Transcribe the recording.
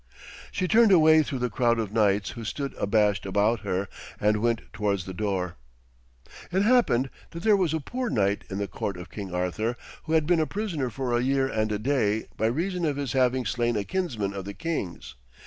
She turned away through the crowd of knights who stood abashed about her, and went towards the door. It happened that there was a poor knight in the court of King Arthur, who had been a prisoner for a year and a day, by reason of his having slain a kinsman of the king's.